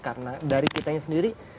karena dari kitanya sendiri